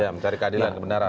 ya mencari keadilan kebenaran